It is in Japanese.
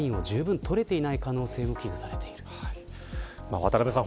渡辺さん